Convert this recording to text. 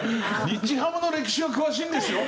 日ハムの歴史は詳しいんですよ